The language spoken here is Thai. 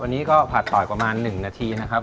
วันนี้ก็ผัดต่ออีกประมาณ๑นาทีนะครับ